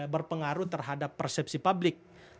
berpengaruh terhadap persepsi publik